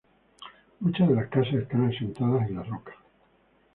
Muchas de las casas están asentadas en la roca.